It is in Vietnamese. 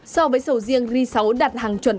so với sầu riêng ri sáu đạt hàng chuẩn